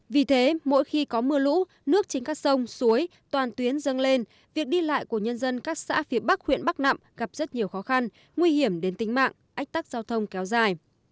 vì thế mỗi khi có mưa lũ nước trên các sông suối toàn tuyến dâng lên việc đi lại của nhân dân các xã phía bắc huyện bắc nạm gặp rất nhiều khó khăn nguy hiểm đến tính mạng ách tắc giao thông kéo dài